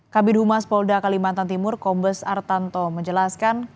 kabit humas polda kalimantan timur kombes artanto menjelaskan